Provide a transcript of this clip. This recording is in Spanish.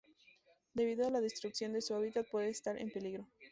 Debido a la destrucción de su hábitat puede estar en peligro.